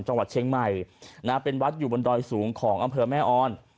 จังหวัดเชียงใหม่นะเป็นวัดอยู่บนดอยสูงของอำเภอแม่ออน